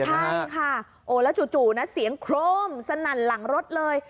ใช่ค่ะโอ้แล้วจู่นะเสียงโครมสนั่นหลังรถเลย